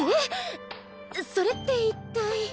それって一体。